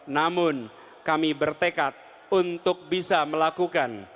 namun kami bertekad untuk bisa melakukan